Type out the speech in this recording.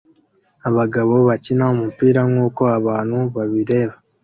Abagabo bakina umupira nkuko abantu babireba